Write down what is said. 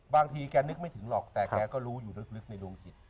บางทีแกนึกไม่ถึงหรอกแต่แกก็รู้อยู่ลึกในดวงจิต